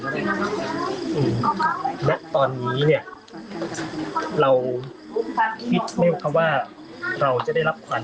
ต่อแล้วอืมและตอนนี้เนี้ยเราคิดเรียกว่าเราจะได้รับความ